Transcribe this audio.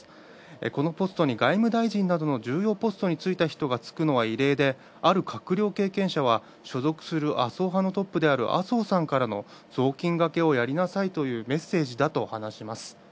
このポストに外務大臣などの重要ポストに就いた人が就くのは異例である閣僚経験者は所属する麻生派のトップである麻生さんからの雑巾がけをやりなさいというメッセージだと話します。